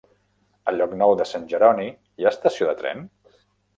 A Llocnou de Sant Jeroni hi ha estació de tren?